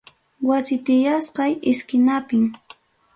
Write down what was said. Wasi tiyasqay iskinapim.